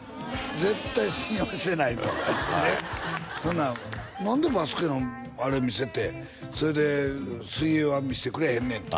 「絶対信用してない」とねっそんなん何でバスケのあれ見せてそれで水泳は見せてくれへんねんって